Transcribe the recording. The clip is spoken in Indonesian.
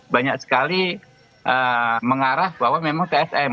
banyak sekali mengarah bahwa memang tsm